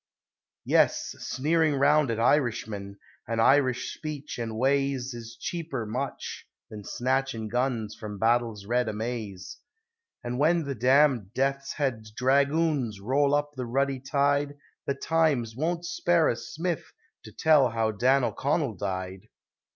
Yes! Sneerin' round at Irishmen, and Irish speech and ways Is cheaper much than snatchin' guns from battle's red amaze: And when the damned Death's Head Dragoons roll up the ruddy tide The Times won't spare a Smith to tell how Dan O'Connell died.